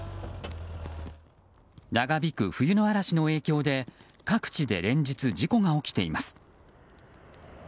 長引く冬の嵐の影響で各地で連日事故が起きています。